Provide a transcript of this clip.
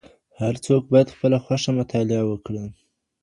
هر څوک باید خپله خوښه مطالعه وکړي.